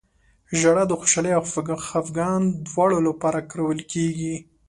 • ژړا د خوشحالۍ او خفګان دواړو لپاره کارول کېږي.